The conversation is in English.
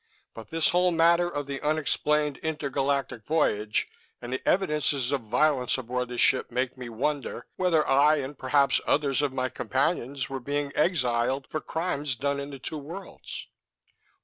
"But this whole matter of the unexplained inter galactic voyage and the evidences of violence aboard the ship make me wonder whether I, and perhaps others of my companions, were being exiled for crimes done in the Two Worlds."